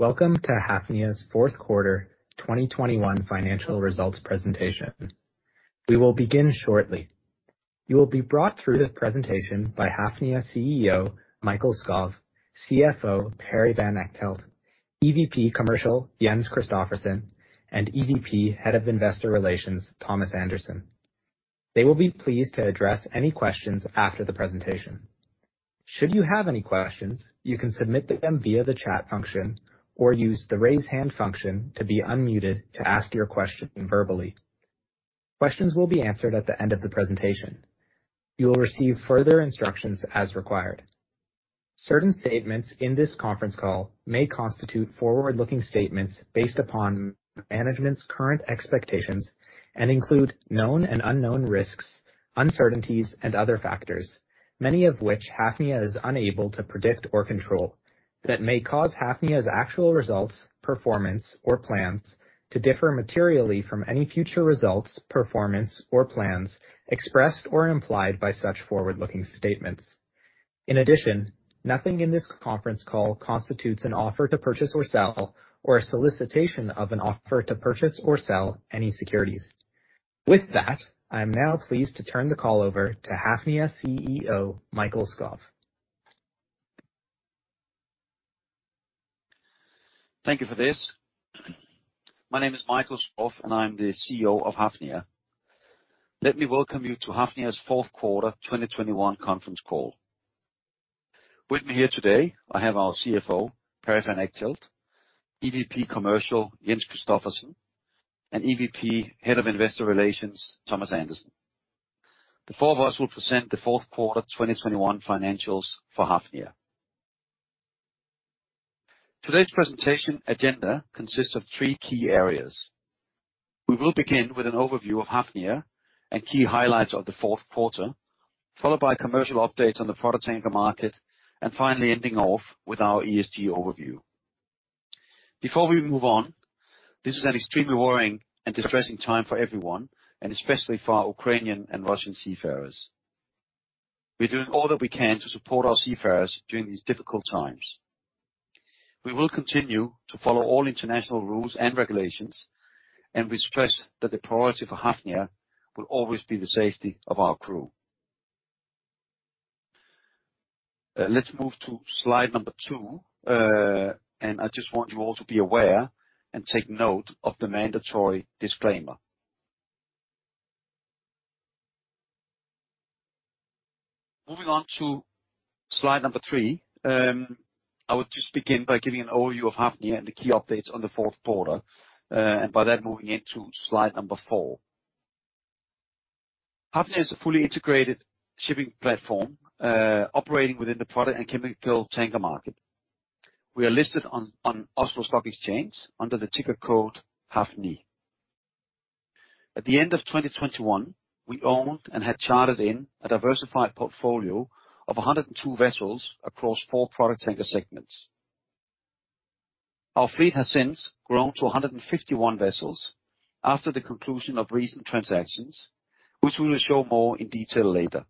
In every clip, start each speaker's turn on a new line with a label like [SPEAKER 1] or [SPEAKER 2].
[SPEAKER 1] Welcome to Hafnia's Fourth Quarter 2021 Financial Results Presentation. We will begin shortly. You will be brought through the presentation by Hafnia CEO Mikael Skov, CFO Perry van Echtelt, EVP Commercial Jens Christophersen, and EVP Head of Investor Relations Thomas Andersen. They will be pleased to address any questions after the presentation. Should you have any questions, you can submit them via the chat function or use the raise hand function to be unmuted to ask your question verbally. Questions will be answered at the end of the presentation. You will receive further instructions as required. Certain statements in this conference call may constitute forward-looking statements based upon management's current expectations and include known and unknown risks, uncertainties, and other factors, many of which Hafnia is unable to predict or control, that may cause Hafnia's actual results, performance, or plans to differ materially from any future results, performance, or plans expressed or implied by such forward-looking statements. In addition, nothing in this conference call constitutes an offer to purchase or sell or a solicitation of an offer to purchase or sell any securities. With that, I am now pleased to turn the call over to Hafnia CEO Mikael Skov.
[SPEAKER 2] Thank you for this. My name is Mikael Skov, and I'm the CEO of Hafnia. Let me welcome you to Hafnia's fourth quarter 2021 conference call. With me here today, I have our CFO, Perry van Echtelt, EVP Commercial Jens Christophersen, and EVP Head of Investor Relations Thomas Andersen. The four of us will present the fourth quarter of 2021 financials for Hafnia. Today's presentation agenda consists of three key areas. We will begin with an overview of Hafnia and key highlights of the fourth quarter, followed by commercial updates on the product tanker market, and finally ending off with our ESG overview. Before we move on, this is an extremely worrying and distressing time for everyone, and especially for our Ukrainian and Russian seafarers. We're doing all that we can to support our seafarers during these difficult times. We will continue to follow all international rules and regulations, and we stress that the priority for Hafnia will always be the safety of our crew. Let's move to slide number 2, and I just want you all to be aware and take note of the mandatory disclaimer. Moving on to slide number 3, I would just begin by giving an overview of Hafnia and the key updates on the fourth quarter, and by that, moving into slide number 4. Hafnia is a fully integrated shipping platform, operating within the product and chemical tanker market. We are listed on Oslo Stock Exchange under the ticker code HAFNY. At the end of 2021, we owned and had chartered in a diversified portfolio of 102 vessels across 4 product tanker segments. Our fleet has since grown to 151 vessels after the conclusion of recent transactions, which we will show more in detail later.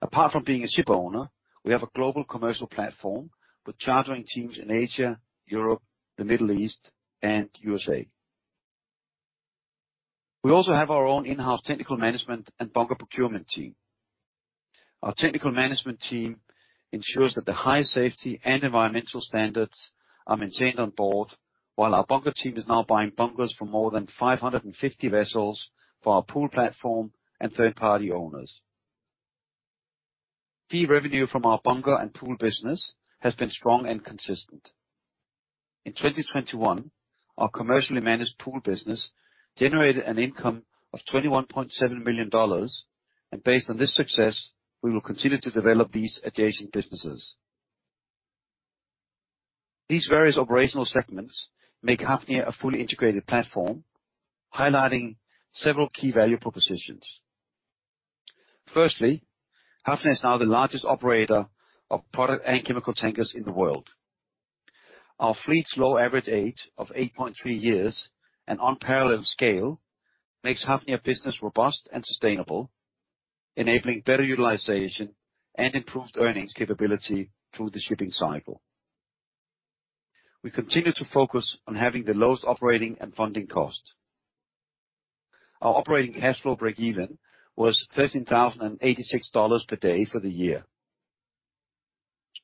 [SPEAKER 2] Apart from being a ship owner, we have a global commercial platform with chartering teams in Asia, Europe, the Middle East, and USA. We also have our own in-house technical management and bunker procurement team. Our technical management team ensures that the highest safety and environmental standards are maintained on board, while our bunker team is now buying bunkers for more than 550 vessels for our pool platform and third-party owners. Key revenue from our bunker and pool business has been strong and consistent. In 2021, our commercially managed pool business generated an income of $21.7 million, and based on this success, we will continue to develop these adjacent businesses. These various operational segments make Hafnia a fully integrated platform, highlighting several key value propositions. Firstly, Hafnia is now the largest operator of product and chemical tankers in the world. Our fleet's low average age of 8.3 years and unparalleled scale makes Hafnia business robust and sustainable, enabling better utilization and improved earnings capability through the shipping cycle. We continue to focus on having the lowest operating and funding cost. Our operating cash flow breakeven was $13,086 per day for the year.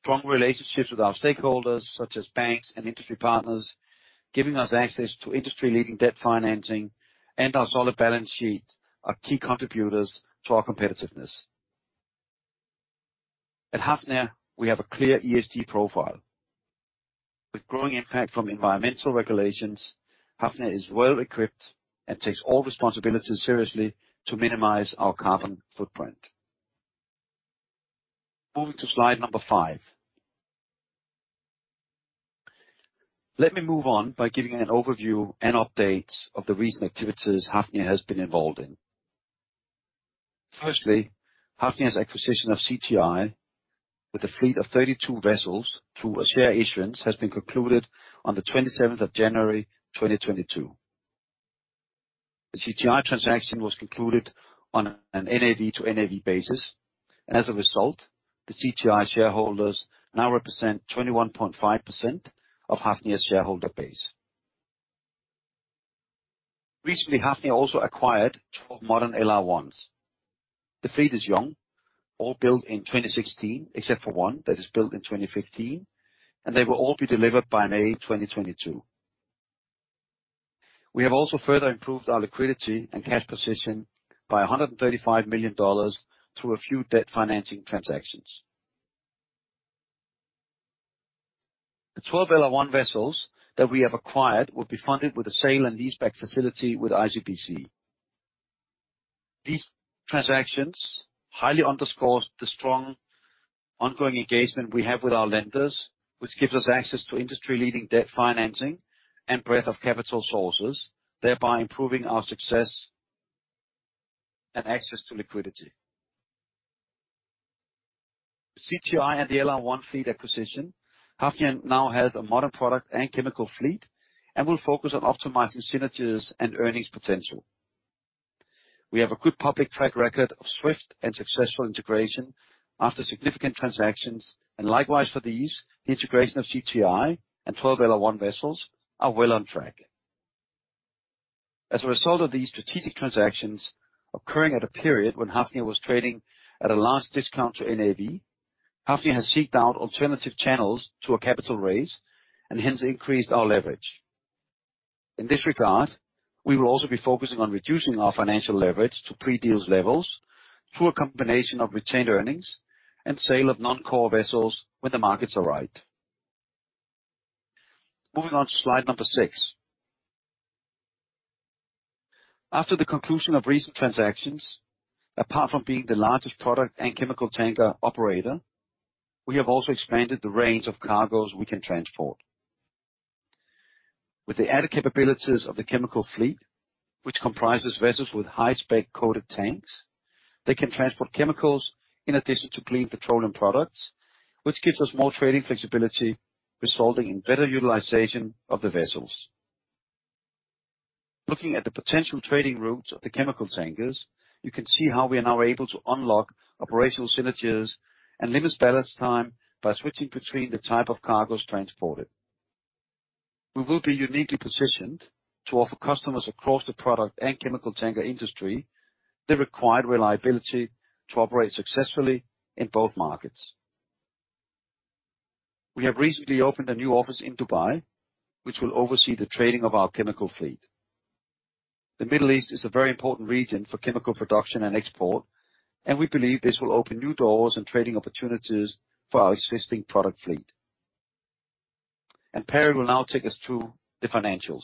[SPEAKER 2] Strong relationships with our stakeholders such as banks and industry partners, giving us access to industry-leading debt financing and our solid balance sheet are key contributors to our competitiveness. At Hafnia, we have a clear ESG profile. With growing impact from environmental regulations, Hafnia is well-equipped and takes all responsibilities seriously to minimize our carbon footprint. Moving to slide number 5. Let me move on by giving an overview and updates of the recent activities Hafnia has been involved in. Firstly, Hafnia's acquisition of CTI with a fleet of 32 vessels through a share issuance has been concluded on the 27th of January, 2022. The CTI transaction was concluded on an NAV to NAV basis. As a result, the CTI shareholders now represent 21.5% of Hafnia's shareholder base. Recently, Hafnia also acquired 12 modern LR1s. The fleet is young, all built in 2016, except for one that is built in 2015, and they will all be delivered by May 2022. We have also further improved our liquidity and cash position by $135 million through a few debt financing transactions. The 12 LR1 vessels that we have acquired will be funded with a sale and leaseback facility with ICBC. These transactions highly underscore the strong ongoing engagement we have with our lenders, which gives us access to industry-leading debt financing and breadth of capital sources, thereby improving our success and access to liquidity. With CTI and the LR1 fleet acquisition, Hafnia now has a modern product and chemical fleet and will focus on optimizing synergies and earnings potential. We have a good public track record of swift and successful integration after significant transactions. Likewise for these, the integration of CTI and 12 LR1 vessels is well on track. As a result of these strategic transactions occurring at a period when Hafnia was trading at a large discount to NAV, Hafnia has sought out alternative channels to a capital raise and hence increased our leverage. In this regard, we will also be focusing on reducing our financial leverage to pre-deals levels through a combination of retained earnings and sale of non-core vessels when the markets are right. Moving on to slide number 6. After the conclusion of recent transactions, apart from being the largest product and chemical tanker operator, we have also expanded the range of cargoes we can transport. With the added capabilities of the chemical fleet, which comprises vessels with high-spec coated tanks, they can transport chemicals in addition to clean petroleum products, which gives us more trading flexibility, resulting in better utilization of the vessels. Looking at the potential trading routes of the chemical tankers, you can see how we are now able to unlock operational synergies and limit ballast time by switching between the type of cargoes transported. We will be uniquely positioned to offer customers across the product and chemical tanker industry the required reliability to operate successfully in both markets. We have recently opened a new office in Dubai, which will oversee the trading of our chemical fleet. The Middle East is a very important region for chemical production and export, and we believe this will open new doors and trading opportunities for our existing product fleet. Perry will now take us through the financials.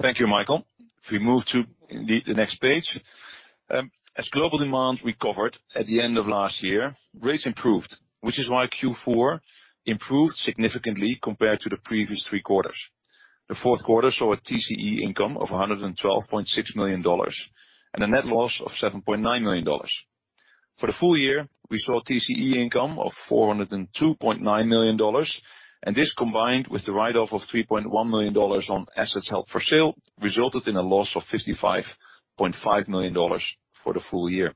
[SPEAKER 3] Thank you, Mikael. If we move to the next page. As global demand recovered at the end of last year, rates improved, which is why Q4 improved significantly compared to the previous three quarters. The fourth quarter saw a TCE income of $112.6 million and a net loss of $7.9 million. For the full year, we saw TCE income of $402.9 million, and this combined with the write-off of $3.1 million on assets held for sale, resulted in a loss of $55.5 million for the full year.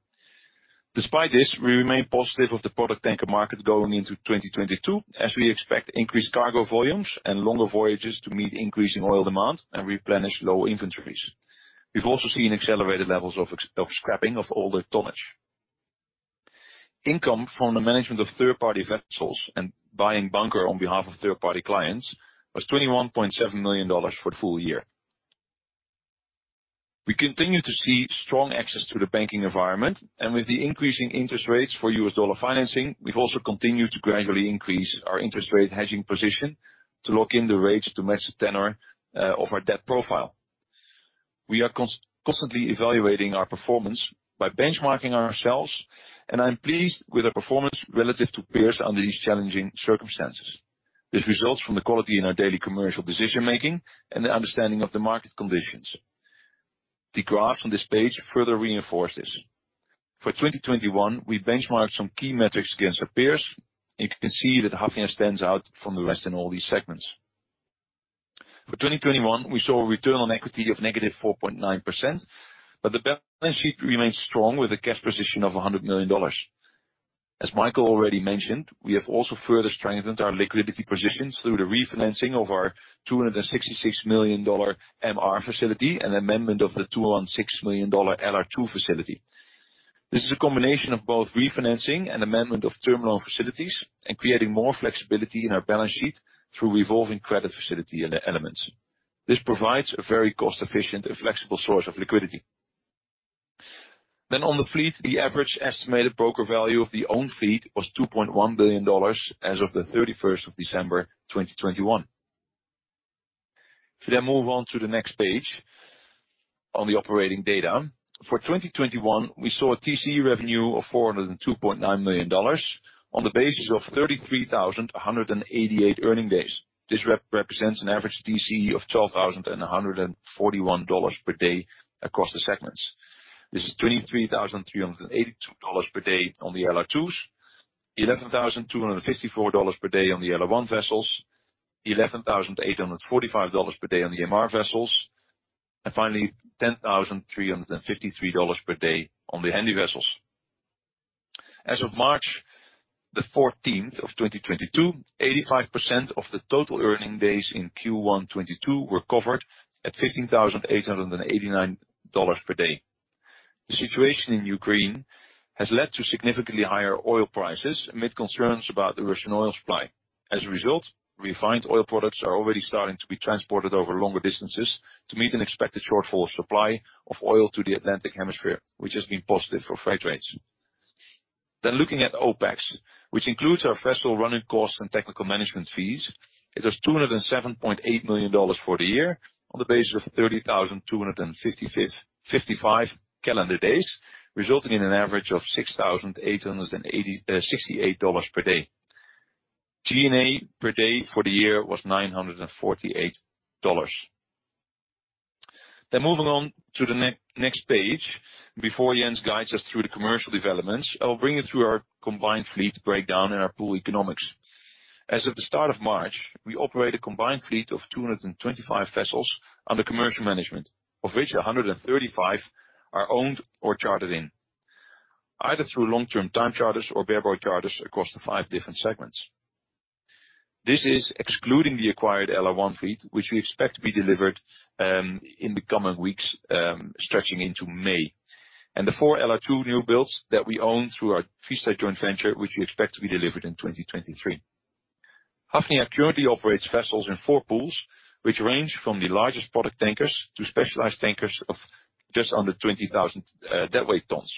[SPEAKER 3] Despite this, we remain positive of the product tanker market going into 2022 as we expect increased cargo volumes and longer voyages to meet increasing oil demand and replenish low inventories. We've also seen accelerated levels of scrapping of older tonnage. Income from the management of third-party vessels and buying bunker on behalf of third party clients was $21.7 million for the full year. We continue to see strong access to the banking environment, and with the increasing interest rates for US dollar financing, we've also continued to gradually increase our interest rate hedging position to lock in the rates to match the tenor of our debt profile. We are constantly evaluating our performance by benchmarking ourselves, and I'm pleased with our performance relative to peers under these challenging circumstances. This results from the quality in our daily commercial decision-making and the understanding of the market conditions. The graphs on this page further reinforce this. For 2021, we benchmarked some key metrics against our peers. You can see that Hafnia stands out from the rest in all these segments. For 2021, we saw a return on equity of -4.9%, but the balance sheet remains strong with a cash position of $100 million. As Michael already mentioned, we have also further strengthened our liquidity position through the refinancing of our $266 million MR facility and amendment of the $216 million LR2 facility. This is a combination of both refinancing and amendment of term facilities and creating more flexibility in our balance sheet through revolving credit facility and the like. This provides a very cost-efficient and flexible source of liquidity. On the fleet, the average estimated broker value of our own fleet was $2.1 billion as of December 31, 2021. If we move on to the next page on the operating data. For 2021, we saw a TCE revenue of $402.9 million on the basis of 33,188 earning days. This represents an average TCE of $12,141 per day across the segments. This is $23,382 per day on the LR2s, $11,254 per day on the LR1 vessels, $11,845 per day on the MR vessels, and finally $10,353 per day on the Handy vessels. As of March 14, 2022, 85% of the total earning days in Q1 2022 were covered at $15,889 per day. The situation in Ukraine has led to significantly higher oil prices amid concerns about the Russian oil supply. As a result, refined oil products are already starting to be transported over longer distances to meet an expected shortfall of supply of oil to the Atlantic basin, which has been positive for freight rates. Looking at OpEx, which includes our vessel running costs and technical management fees, it was $207.8 million for the year on the basis of 30,255 calendar days, resulting in an average of $6,868 per day. G&A per day for the year was $948. Moving on to the next page. Before Jens guides us through the commercial developments, I'll bring you through our combined fleet breakdown and our pool economics. As of the start of March, we operate a combined fleet of 225 vessels under commercial management, of which 135 are owned or chartered in, either through long-term time charters or bareboat charters across the five different segments. This is excluding the acquired LR1 fleet, which we expect to be delivered in the coming weeks, stretching into May, the four LR2 new builds that we own through our Vista joint venture, which we expect to be delivered in 2023. Hafnia currently operates vessels in four pools, which range from the largest product tankers to specialized tankers of just under 20,000 deadweight tons.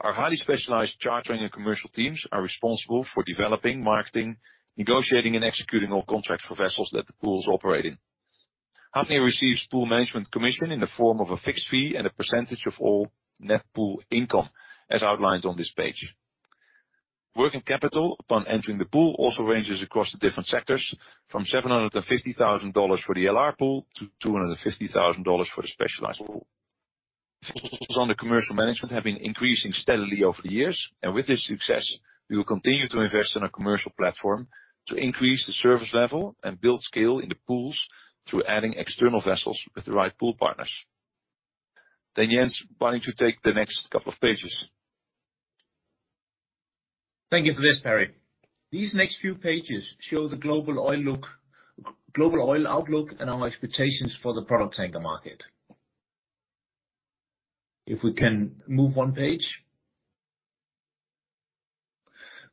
[SPEAKER 3] Our highly specialized chartering and commercial teams are responsible for developing, marketing, negotiating, and executing all contracts for vessels that the pools operate in. Hafnia receives pool management commission in the form of a fixed fee and a percentage of all net pool income, as outlined on this page. Working capital upon entering the pool also ranges across the different sectors, from $750,000 for the LR pool to $250,000 for the specialized pool. Revenues from commercial management have been increasing steadily over the years, and with this success, we will continue to invest in our commercial platform to increase the service level and build scale in the pools through adding external vessels with the right pool partners. Jens, why don't you take the next couple of pages?
[SPEAKER 4] Thank you for this, Perry. These next few pages show the global oil outlook and our expectations for the product tanker market. If we can move one page.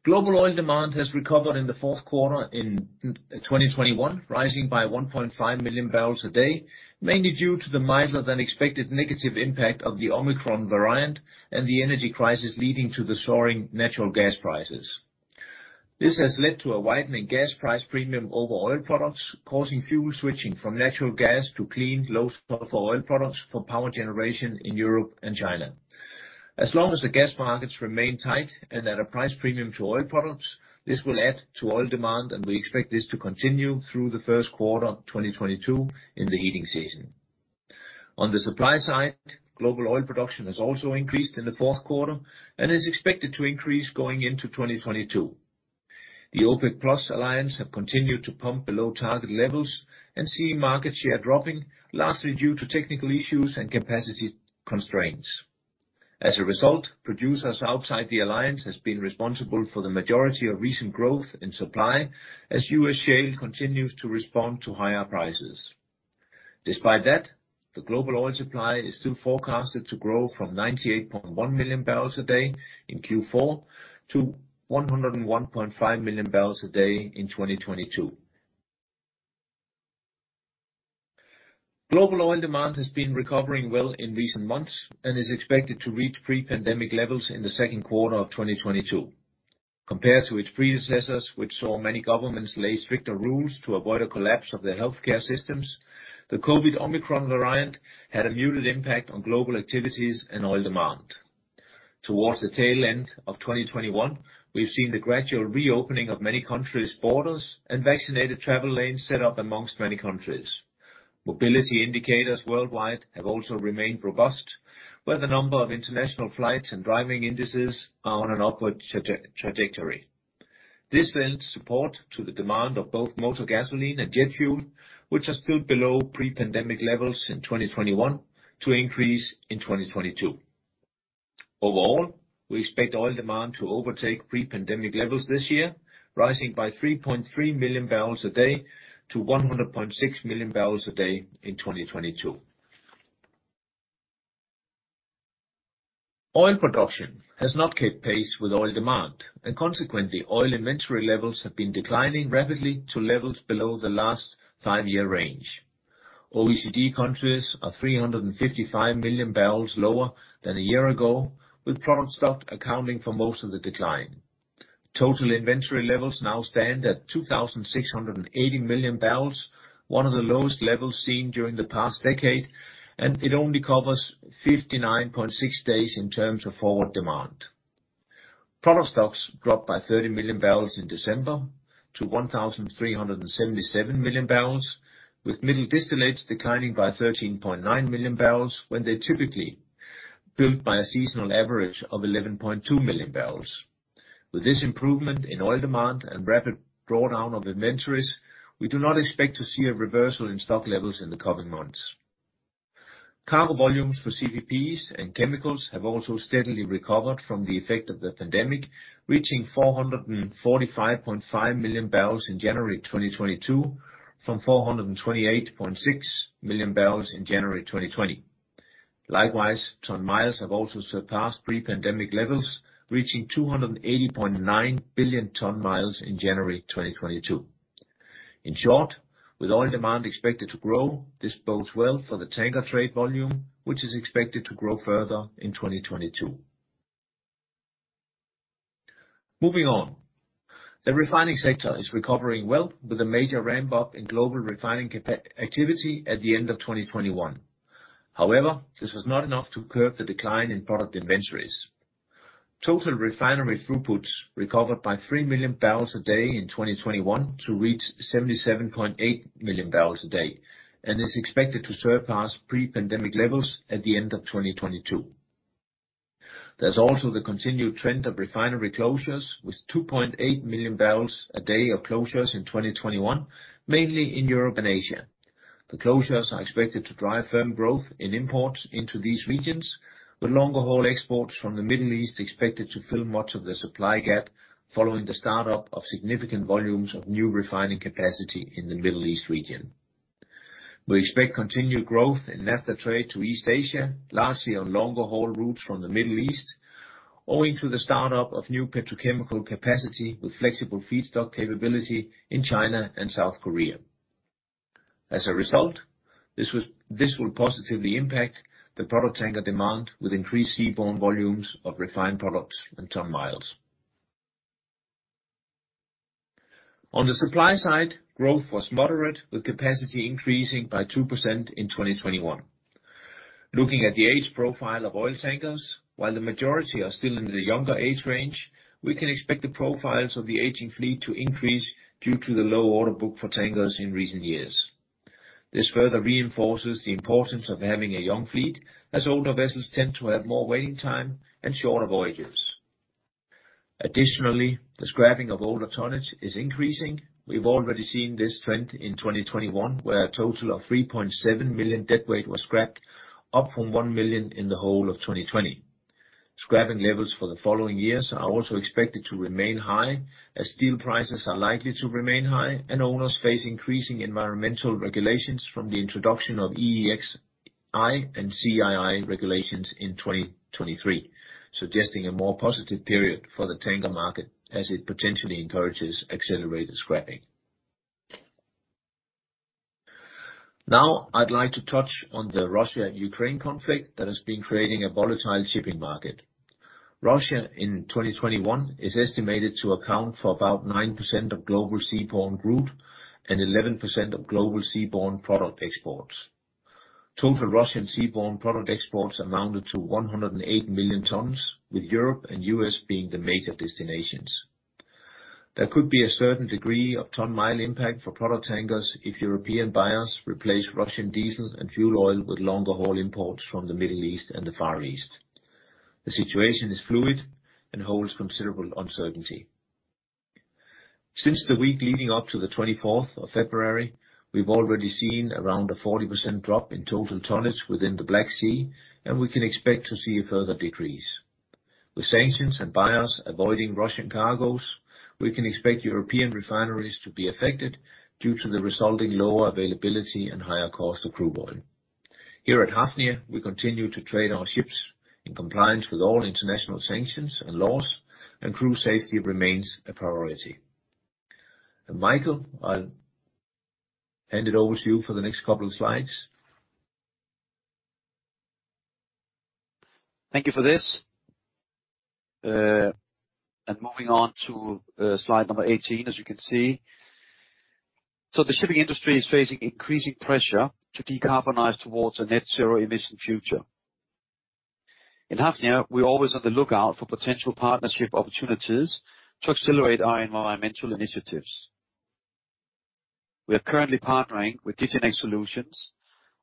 [SPEAKER 4] Global oil demand has recovered in the fourth quarter in 2021, rising by 1.5 million barrels a day, mainly due to the milder than expected negative impact of the Omicron variant and the energy crisis leading to the soaring natural gas prices. This has led to a widening gas price premium over oil products, causing fuel switching from natural gas to clean, low sulfur oil products for power generation in Europe and China. As long as the gas markets remain tight and at a price premium to oil products, this will add to oil demand, and we expect this to continue through the first quarter of 2022 in the heating season. On the supply side, global oil production has also increased in the fourth quarter and is expected to increase going into 2022. The OPEC+ alliance have continued to pump below target levels and see market share dropping, lastly due to technical issues and capacity constraints. As a result, producers outside the alliance has been responsible for the majority of recent growth in supply as U.S. shale continues to respond to higher prices. Despite that, the global oil supply is still forecasted to grow from 98.1 million barrels a day in Q4 to 101.5 million barrels a day in 2022. Global oil demand has been recovering well in recent months and is expected to reach pre-pandemic levels in the second quarter of 2022. Compared to its predecessors, which saw many governments lay stricter rules to avoid a collapse of their healthcare systems, the COVID Omicron variant had a muted impact on global activities and oil demand. Towards the tail end of 2021, we've seen the gradual reopening of many countries' borders and vaccinated travel lanes set up amongst many countries. Mobility indicators worldwide have also remained robust, where the number of international flights and driving indices are on an upward trajectory. This lends support to the demand of both motor gasoline and jet fuel, which are still below pre-pandemic levels in 2021 to increase in 2022. Overall, we expect oil demand to overtake pre-pandemic levels this year, rising by 3.3 million barrels a day to 100.6 million barrels a day in 2022. Oil production has not kept pace with oil demand, and consequently, oil inventory levels have been declining rapidly to levels below the last five-year range. OECD countries are 355 million barrels lower than a year ago, with product stock accounting for most of the decline. Total inventory levels now stand at 2,680 million barrels, one of the lowest levels seen during the past decade, and it only covers 59.6 days in terms of forward demand. Product stocks dropped by 30 million barrels in December to 1,377 million barrels, with middle distillates declining by 13.9 million barrels when they typically build by a seasonal average of 11.2 million barrels. With this improvement in oil demand and rapid drawdown of inventories, we do not expect to see a reversal in stock levels in the coming months. Cargo volumes for CPPs and chemicals have also steadily recovered from the effect of the pandemic, reaching 445.5 million barrels in January 2022, from 428.6 million barrels in January 2020. Likewise, ton-miles have also surpassed pre-pandemic levels, reaching 280.9 billion ton-miles in January 2022. In short, with oil demand expected to grow, this bodes well for the tanker trade volume, which is expected to grow further in 2022. Moving on. The refining sector is recovering well with a major ramp up in global refining activity at the end of 2021. However, this was not enough to curb the decline in product inventories. Total refinery throughputs recovered by 3 million barrels a day in 2021 to reach 77.8 million barrels a day, and is expected to surpass pre-pandemic levels at the end of 2022. There's also the continued trend of refinery closures with 2.8 million barrels a day of closures in 2021, mainly in Europe and Asia. The closures are expected to drive firm growth in imports into these regions, with longer haul exports from the Middle East expected to fill much of the supply gap following the start up of significant volumes of new refining capacity in the Middle East region. We expect continued growth in naphtha trade to East Asia, largely on longer haul routes from the Middle East, owing to the start up of new petrochemical capacity with flexible feedstock capability in China and South Korea. As a result, this will positively impact the product tanker demand with increased seaborne volumes of refined products and ton-miles. On the supply side, growth was moderate, with capacity increasing by 2% in 2021. Looking at the age profile of oil tankers, while the majority are still in the younger age range, we can expect the profiles of the aging fleet to increase due to the low order book for tankers in recent years. This further reinforces the importance of having a young fleet, as older vessels tend to have more waiting time and shorter voyages. Additionally, the scrapping of older tonnage is increasing. We've already seen this trend in 2021, where a total of 3.7 million deadweight was scrapped, up from 1 million in the whole of 2020. Scrapping levels for the following years are also expected to remain high, as steel prices are likely to remain high and owners face increasing environmental regulations from the introduction of EEXI and CII regulations in 2023, suggesting a more positive period for the tanker market as it potentially encourages accelerated scrapping. Now I'd like to touch on the Russia-Ukraine conflict that has been creating a volatile shipping market. Russia in 2021 is estimated to account for about 9% of global seaborne growth and 11% of global seaborne product exports. Total Russian seaborne product exports amounted to 108 million tons, with Europe and U.S. being the major destinations. There could be a certain degree of ton-mile impact for product tankers if European buyers replace Russian diesel and fuel oil with longer haul imports from the Middle East and the Far East. The situation is fluid and holds considerable uncertainty. Since the week leading up to the 24th of February, we've already seen around a 40% drop in total tonnage within the Black Sea, and we can expect to see a further decrease. With sanctions and buyers avoiding Russian cargos, we can expect European refineries to be affected due to the resulting lower availability and higher cost of crude oil. Here at Hafnia, we continue to trade our ships in compliance with all international sanctions and laws, and crew safety remains a priority. Michael, I'll hand it over to you for the next couple of slides. Thank you for this.
[SPEAKER 2] Moving on to slide number 18, as you can see. The shipping industry is facing increasing pressure to decarbonize towards a net zero emission future. In Hafnia, we're always on the lookout for potential partnership opportunities to accelerate our environmental initiatives. We are currently partnering with Diginex Solutions,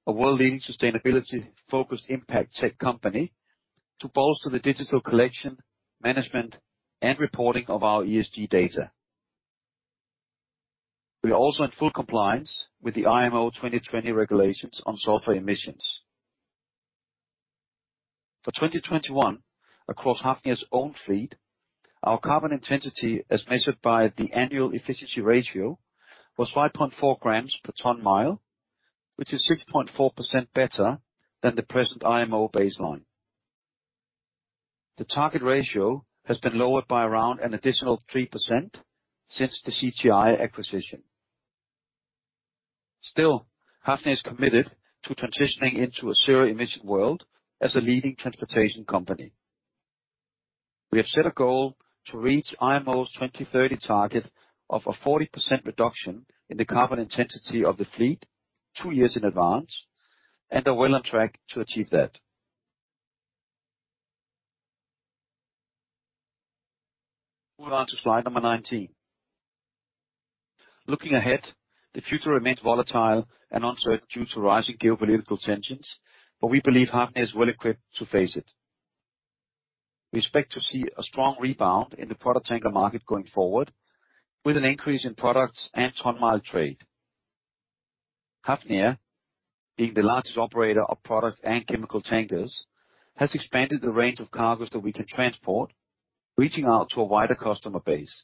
[SPEAKER 2] a world-leading sustainability-focused impact tech company, to bolster the digital collection, management, and reporting of our ESG data. We are also in full compliance with the IMO 2020 regulations on sulfur emissions. For 2021, across Hafnia's own fleet, our carbon intensity, as measured by the Annual Efficiency Ratio, was 5.4 grams per ton-mile, which is 6.4% better than the present IMO baseline. The target ratio has been lowered by around an additional 3% since the CTI acquisition. Still, Hafnia is committed to transitioning into a zero emission world as a leading transportation company. We have set a goal to reach IMO's 2030 target of a 40% reduction in the carbon intensity of the fleet two years in advance, and are well on track to achieve that. Move on to slide number 19. Looking ahead, the future remains volatile and uncertain due to rising geopolitical tensions, but we believe Hafnia is well equipped to face it. We expect to see a strong rebound in the product tanker market going forward, with an increase in products and ton-mile trade. Hafnia, being the largest operator of product and chemical tankers, has expanded the range of cargoes that we can transport, reaching out to a wider customer base.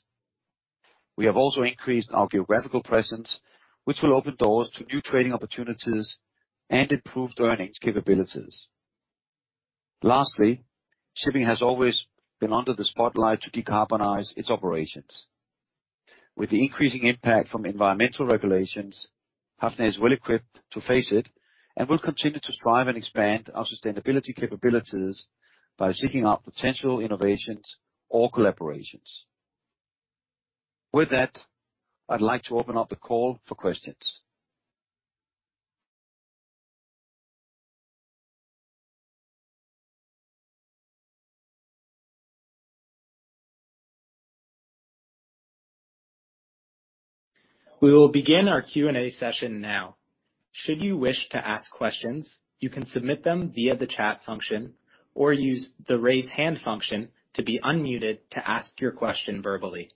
[SPEAKER 2] We have also increased our geographical presence, which will open doors to new trading opportunities and improved earnings capabilities. Lastly, shipping has always been under the spotlight to decarbonize its operations. With the increasing impact from environmental regulations, Hafnia is well equipped to face it and will continue to strive and expand our sustainability capabilities by seeking out potential innovations or collaborations. With that, I'd like to open up the call for questions.
[SPEAKER 1] We will begin our Q&A session now. Should you wish to ask questions, you can submit them via the chat function or use the raise hand function to be unmuted to ask your question verbally.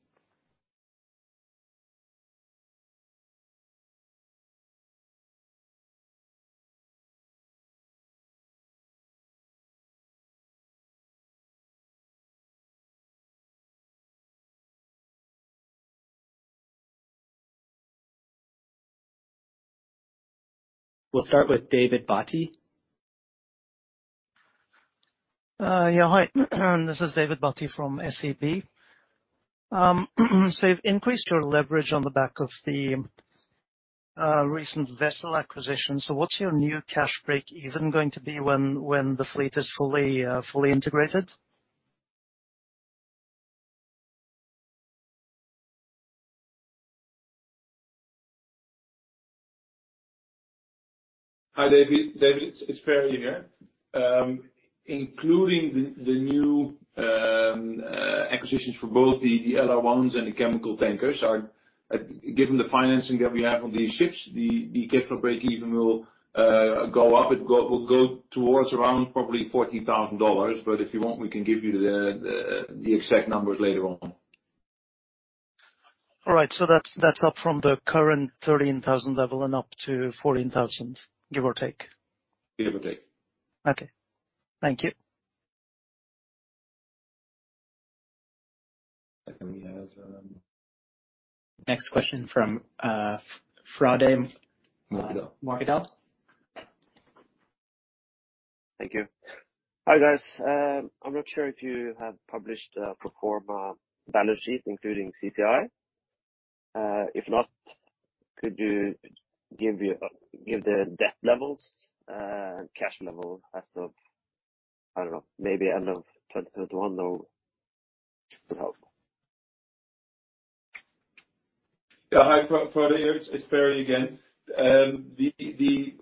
[SPEAKER 1] We'll start with David Bhatti.
[SPEAKER 5] Hi, this is David Bhatti from SEB. You've increased your leverage on the back of the recent vessel acquisition. What's your new cash break even going to be when the fleet is fully integrated?
[SPEAKER 3] Hi, David. David, it's Perry here. Including the new acquisitions for both the LR1s and the chemical tankers are given the financing that we have on these ships, the capital break even will go up. Will go towards around probably $40,000, but if you want, we can give you the exact numbers later on.
[SPEAKER 5] All right. That's up from the current 13,000 level and up to 14,000, give or take.
[SPEAKER 3] Give or take.
[SPEAKER 5] Okay. Thank you.
[SPEAKER 1] Next question from, Frode Morkedal.
[SPEAKER 2] Mørkedal.
[SPEAKER 6] Thank you. Hi, guys. I'm not sure if you have published a pro forma balance sheet including CTI. If not, could you give the debt levels and cash level as of, I don't know, maybe end of 2021 or
[SPEAKER 3] Yeah. Hi, Frode here. It's Perry again. The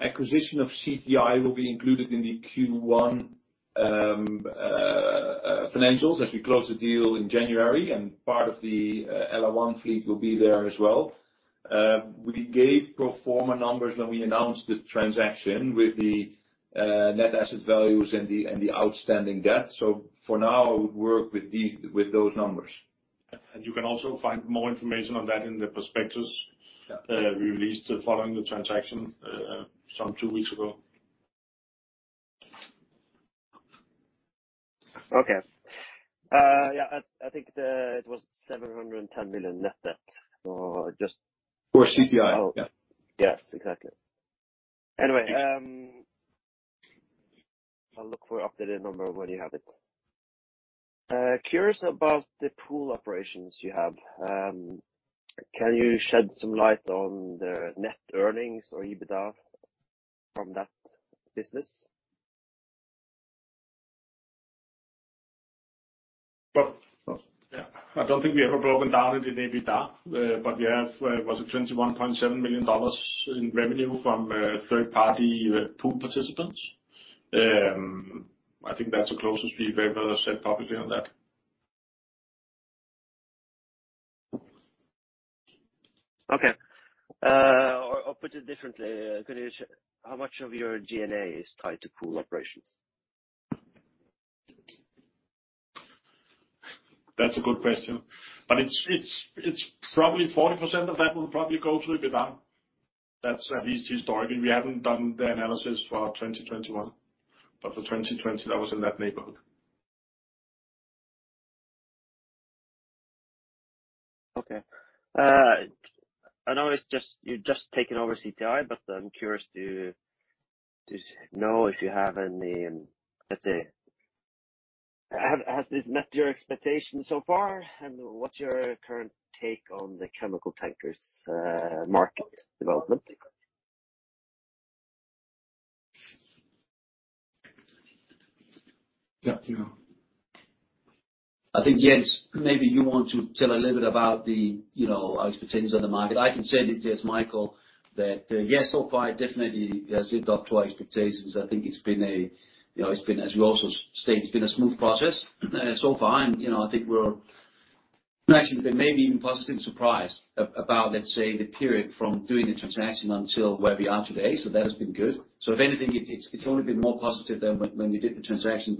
[SPEAKER 3] acquisition of CTI will be included in the Q1 financials as we close the deal in January, and part of the LR1 fleet will be there as well. We gave pro forma numbers when we announced the transaction with the net asset values and the outstanding debt. For now, I would work with those numbers.
[SPEAKER 7] You can also find more information on that in the prospectus.
[SPEAKER 2] Yeah.
[SPEAKER 7] We released following the transaction, some two weeks ago.
[SPEAKER 6] Okay. Yeah, I think it was $710 million net debt or just-
[SPEAKER 3] For CTI.
[SPEAKER 6] Oh.
[SPEAKER 2] Yeah.
[SPEAKER 6] Yes, exactly. Anyway, I'll look for updated number when you have it. I'm curious about the pool operations you have. Can you shed some light on the net earnings or EBITDA from that business?
[SPEAKER 7] Well, yeah. I don't think we have broken down into the EBITDA, but we have, was it $21.7 million, in revenue from third party pool participants. I think that's the closest we've ever said publicly on that.
[SPEAKER 6] Okay. Put it differently, how much of your G&A is tied to pool operations?
[SPEAKER 7] That's a good question. It's probably 40% of that will probably go to EBITDA. That's at least historically. We haven't done the analysis for 2021, but for 2020, that was in that neighborhood.
[SPEAKER 6] Okay. I know it's just, you're just taking over CTI, but I'm curious to know if you have any, let's say, has this met your expectations so far, and what's your current take on the chemical tankers market development?
[SPEAKER 7] Yeah. You know.
[SPEAKER 2] I think, Jens, maybe you want to tell a little bit about the you know our expectations on the market. I can say this, yes, Michael, that yes so far it definitely has lived up to our expectations. I think it's been a smooth process, as we also state, so far. You know, I think we're Actually, they may be even positively surprised about, let's say, the period from doing the transaction until where we are today. That has been good. If anything, it's only been more positive than when we did the transaction.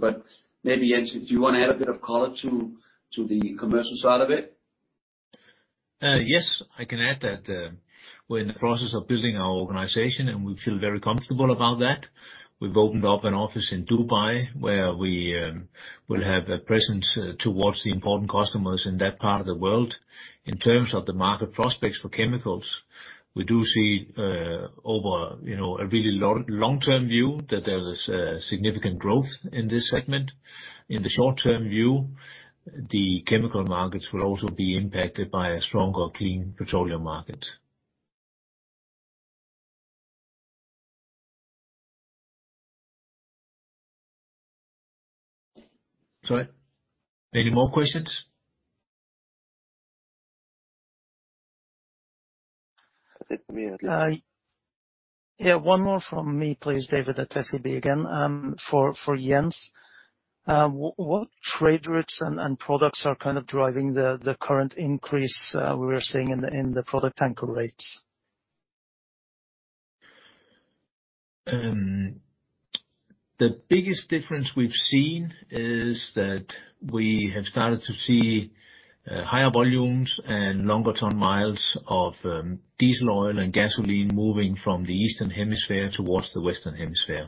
[SPEAKER 2] Maybe, Jens, do you wanna add a bit of color to the commercial side of it?
[SPEAKER 4] Yes. I can add that we're in the process of building our organization, and we feel very comfortable about that. We've opened up an office in Dubai where we will have a presence towards the important customers in that part of the world. In terms of the market prospects for chemicals, we do see over you know a really long-term view that there is significant growth in this segment. In the short-term view, the chemical markets will also be impacted by a stronger clean petroleum market.
[SPEAKER 2] Sorry. Any more questions?
[SPEAKER 5] Yeah. One more from me, please. David at SEB again, for Jens. What trade routes and products are kind of driving the current increase we are seeing in the product tanker rates?
[SPEAKER 4] The biggest difference we've seen is that we have started to see higher volumes and longer ton-miles of diesel oil and gasoline moving from the Eastern Hemisphere towards the Western Hemisphere.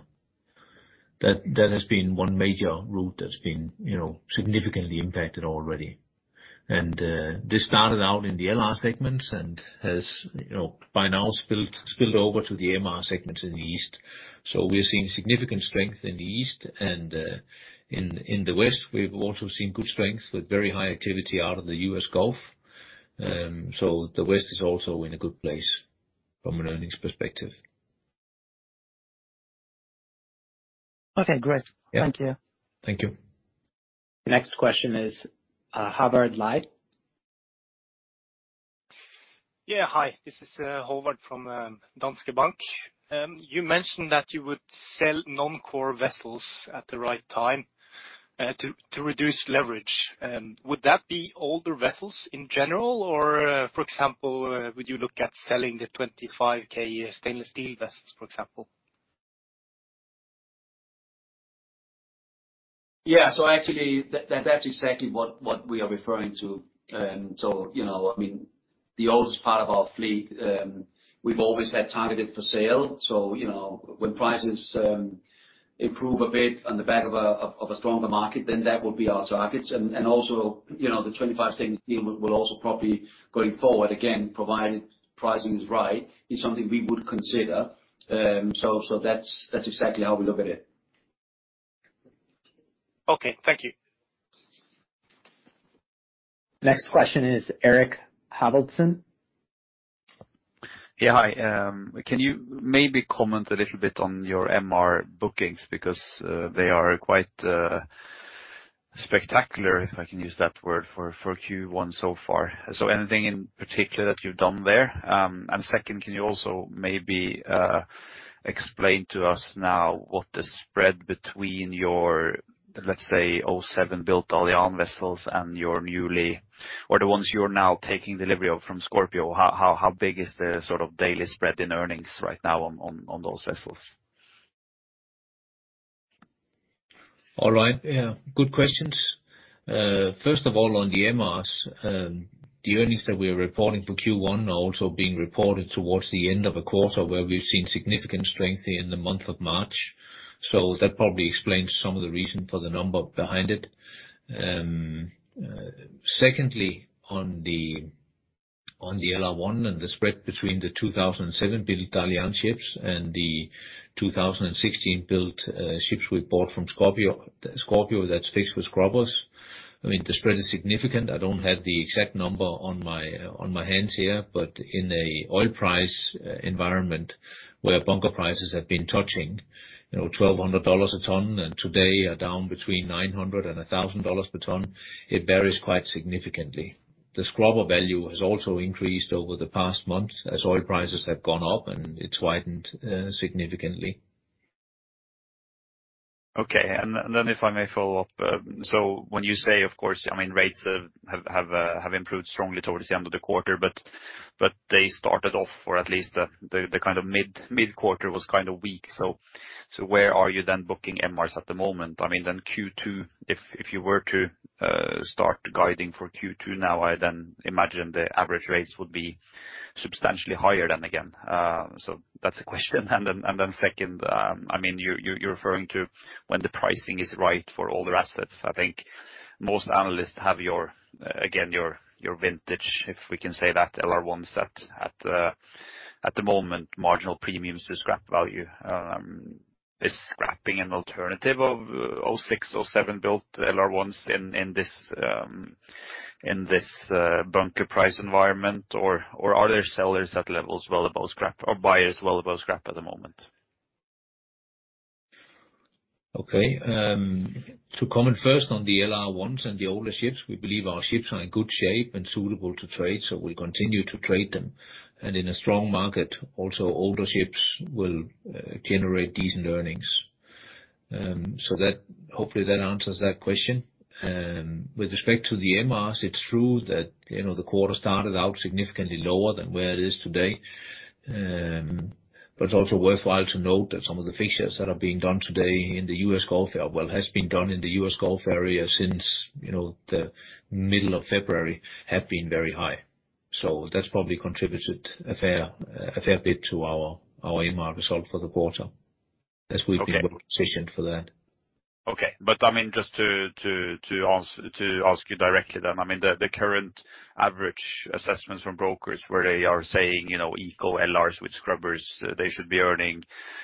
[SPEAKER 4] That has been one major route that's been, you know, significantly impacted already. This started out in the LR segments and has, you know, by now spilled over to the MR segments in the East. We're seeing significant strength in the East, and in the West, we've also seen good strength with very high activity out of the U.S. Gulf. The West is also in a good place from an earnings perspective.
[SPEAKER 5] Okay, great.
[SPEAKER 4] Yeah.
[SPEAKER 5] Thank you.
[SPEAKER 4] Thank you.
[SPEAKER 1] Next question is, Howard Lih.
[SPEAKER 8] Hi. This is Howard from Danske Bank. You mentioned that you would sell non-core vessels at the right time to reduce leverage. Would that be older vessels in general or, for example, would you look at selling the 25 K stainless steel vessels, for example?
[SPEAKER 2] Yeah. Actually, that's exactly what we are referring to. You know, I mean, the oldest part of our fleet, we've always had targeted for sale. You know, when prices improve a bit on the back of a stronger market, then that would be our targets. Also, you know, the 25 stainless steel will also probably, going forward, again, provided pricing is right, is something we would consider. That's exactly how we look at it.
[SPEAKER 8] Okay, thank you.
[SPEAKER 1] Next question is Erik Hamilton.
[SPEAKER 9] Hi. Can you maybe comment a little bit on your MR bookings because they are quite spectacular, if I can use that word, for Q1 so far? Anything in particular that you've done there? And second, can you also maybe explain to us now what the spread between your, let's say, 2007 built Alhena vessels and your newly or the ones you are now taking delivery of from Scorpio, how big is the sort of daily spread in earnings right now on those vessels?
[SPEAKER 4] All right. Yeah. Good questions. First of all, on the MRs, the earnings that we are reporting for Q1 are also being reported towards the end of a quarter where we've seen significant strength in the month of March. That probably explains some of the reason for the number behind it. Secondly, on the LR1 and the spread between the 2007-built Alhena ships and the 2016-built ships we bought from Scorpio that's fixed with scrubbers, I mean, the spread is significant. I don't have the exact number on my hands here, but in an oil price environment, where bunker prices have been touching, you know, $1,200 a ton and today are down between $900 and $1,000 per ton, it varies quite significantly. The scrubber value has also increased over the past month as oil prices have gone up, and it's widened, significantly.
[SPEAKER 9] Okay. Then if I may follow up. So when you say, of course, I mean, rates have improved strongly towards the end of the quarter, but they started off, or at least the kind of mid-quarter was kind of weak. So where are you then booking MRs at the moment? I mean, then Q2, if you were to start guiding for Q2 now, I then imagine the average rates would be substantially higher than again. So that's a question. Then second, I mean, you're referring to when the pricing is right for older assets. I think most analysts have your vintage, if we can say that, LR1s at the moment, marginal premiums to scrap value. Is scrapping an alternative of 2006, 2007 built LR ones in this bunker price environment, or are there sellers at levels well above scrap or buyers well above scrap at the moment?
[SPEAKER 4] Okay. To comment first on the LR ones and the older ships. We believe our ships are in good shape and suitable to trade, so we continue to trade them. In a strong market, older ships will generate decent earnings. Hopefully, that answers that question. With respect to the MRs, it's true that, you know, the quarter started out significantly lower than where it is today. It's also worthwhile to note that some of the fixtures that are being done today in the U.S. Gulf area, well, have been done in the U.S. Gulf area since, you know, the middle of February, have been very high. That's probably contributed a fair bit to our MR result for the quarter.
[SPEAKER 9] Okay.
[SPEAKER 4] As we've been positioned for that.
[SPEAKER 9] Okay. I mean, just to ask you directly then, I mean, the current average assessments from brokers where they are saying, you know, eco LR1s with scrubbers, they should be earning,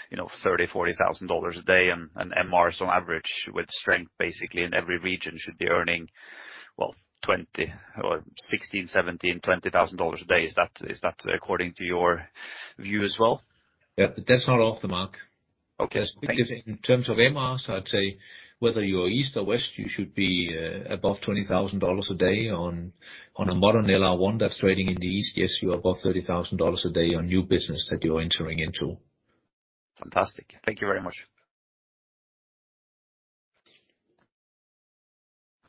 [SPEAKER 9] you know, $30,000-$40,000 a day, and MRs on average with strength basically in every region should be earning, well, $20,000 or $16,000, $17,000, $20,000 a day. Is that according to your view as well?
[SPEAKER 4] Yeah. That's not off the mark.
[SPEAKER 9] Okay.
[SPEAKER 4] Especially in terms of MRs, I'd say whether you're east or west, you should be above $20,000 a day on a modern LR1 that's trading in the east. Yes, you're above $30,000 a day on new business that you're entering into.
[SPEAKER 9] Fantastic. Thank you very much.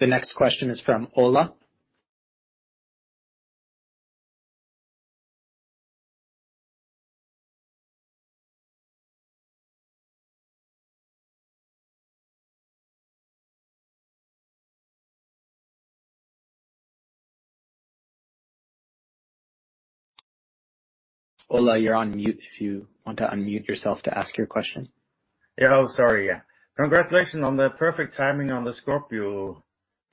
[SPEAKER 1] The next question is from Ola. Ola, you're on mute, if you want to unmute yourself to ask your question.
[SPEAKER 10] Yeah. Oh, sorry. Yeah. Congratulations on the perfect timing on the Scorpio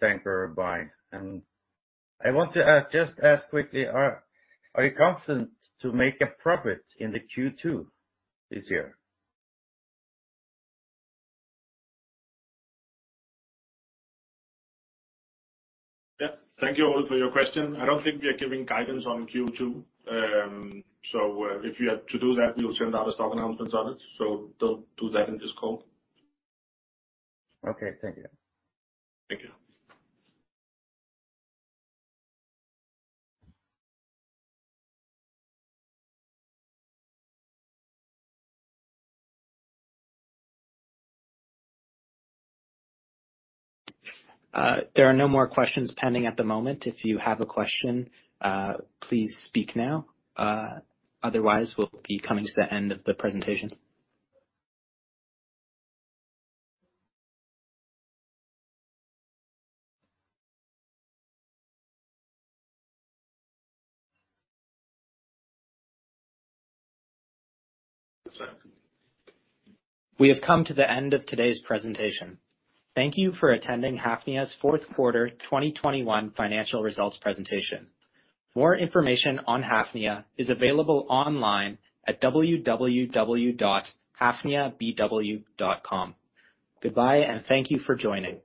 [SPEAKER 10] Tankers buy. I want to just ask quickly, are you confident to make a profit in the Q2 this year?
[SPEAKER 4] Yeah. Thank you all for your question. I don't think we are giving guidance on Q2. If you had to do that, we'll send out a stock announcement on it. Don't do that in this call.
[SPEAKER 10] Okay. Thank you.
[SPEAKER 4] Thank you.
[SPEAKER 1] There are no more questions pending at the moment. If you have a question, please speak now. Otherwise, we'll be coming to the end of the presentation. We have come to the end of today's presentation. Thank you for attending Hafnia's fourth quarter 2021 financial results presentation. More information on Hafnia is available online at www.hafniabw.com. Goodbye, and thank you for joining.